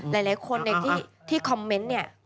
หลายคนที่คอมเมนต์เนี่ย